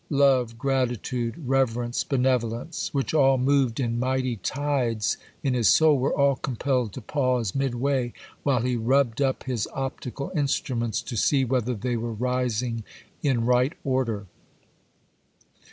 Love, gratitude, reverence, benevolence,—which all moved in mighty tides in his soul—were all compelled to pause midway while he rubbed up his optical instruments to see whether they were rising in right order.